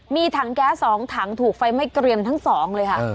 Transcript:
มีถังแก๊ส๒ถังถูกไฟไหม้เกรียมทั้งสองเลยค่ะ